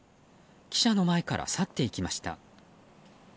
記者の前から去っていきました。